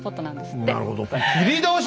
なるほど。